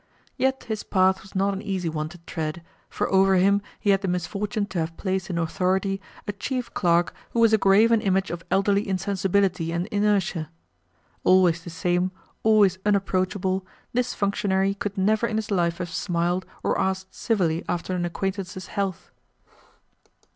Yet his path was not an easy one to tread, for over him he had the misfortune to have placed in authority a Chief Clerk who was a graven image of elderly insensibility and inertia. Always the same, always unapproachable, this functionary could never in his life have smiled or asked civilly after an acquaintance's health.